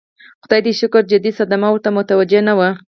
خدای ته شکر جدي صدمه ورته متوجه نه وه.